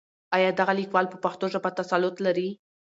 آيا دغه ليکوال په پښتو ژبه تسلط لري؟